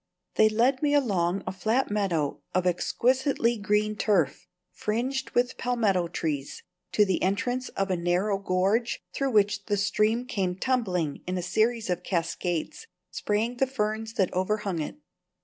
They led me along a flat meadow of exquisitely green turf, fringed with palmetto trees, to the entrance of a narrow gorge through which the stream came tumbling in a series of cascades, spraying the ferns that overhung it.